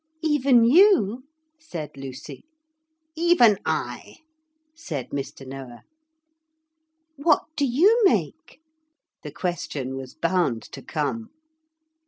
'Even you?' said Lucy. 'Even I,' said Mr. Noah. 'What do you make?' the question was bound to come.